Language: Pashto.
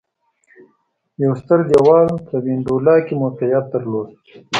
یو ستر دېوال په وینډولا کې موقعیت درلود